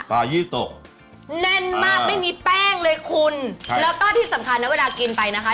ปลายี่ตกแน่นมากไม่มีแป้งเลยคุณแล้วก็ที่สำคัญนะเวลากินไปนะคะ